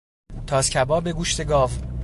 تاس کباب گوشت گاو